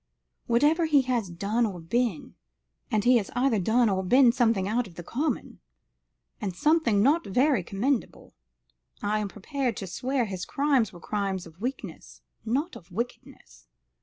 Whatever he has done or been and he has either done or been something out of the common, and something not very commendable I am prepared to swear his crimes were crimes of weakness, not of wickedness.